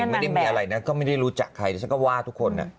ไม่ได้มีอะไรนะก็ไม่ได้รู้จักใครดิฉันก็ว่าทุกคน